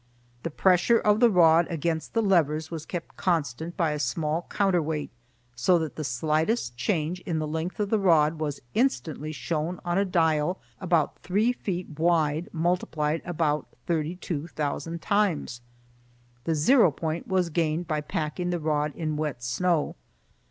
The pressure of the rod against the levers was kept constant by a small counterweight, so that the slightest change in the length of the rod was instantly shown on a dial about three feet wide multiplied about thirty two thousand times. The zero point was gained by packing the rod in wet snow.